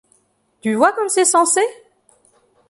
Tu vois comme c’est sensé !